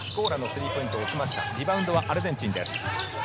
リバウンドはアルゼンチンです。